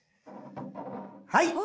はい！